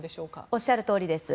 おっしゃるとおりです。